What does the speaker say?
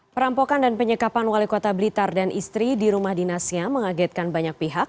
perampokan dan penyekapan wali kota blitar dan istri di rumah dinasnya mengagetkan banyak pihak